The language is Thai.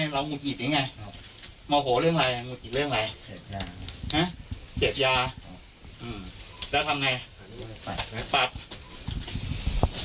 ลุบมาแล้วจับอย่างไร